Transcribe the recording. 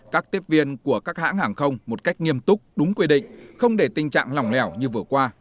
các tiếp viên của các hãng hàng không một cách nghiêm túc đúng quy định không để tình trạng lỏng lẻo như vừa qua